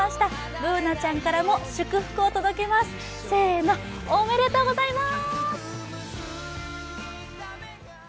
Ｂｏｏｎａちゃんからも祝福を届けますせーの、おめでとうございます！